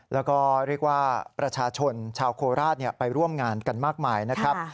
แล้วก็เรียกว่าประชาชนชาวโคราชไปร่วมงานกันมากมายนะครับ